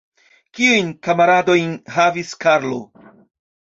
Kiujn kamaradojn havis Karlo?